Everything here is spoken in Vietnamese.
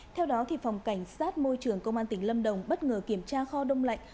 theo đó phòng cảnh sát môi trường công an tỉnh lâm đồng bất ngờ kiểm tra kho đông lạnh